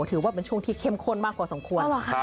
ถือว่าเป็นช่วงที่เข้มข้นมากกว่าสมควร